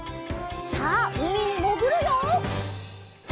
さあうみにもぐるよ！